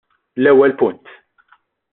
L-ewwel punt.